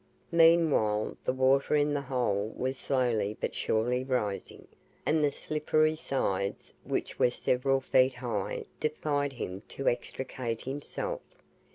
Meanwhile the water in the hole was slowly but surely rising, and the slippery sides which were several feet high defied him to extricate himself.